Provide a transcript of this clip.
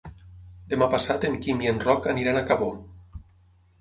Demà passat en Quim i en Roc aniran a Cabó.